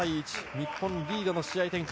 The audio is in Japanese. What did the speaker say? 日本リードの試合展開